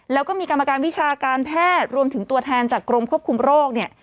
แล้วก็มีกรรมการวิชาการแพทย์รวมถึงตัวแทนจากกรมควบคุมโรคเนี่ย